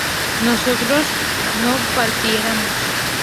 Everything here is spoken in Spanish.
nosotros no partiéramos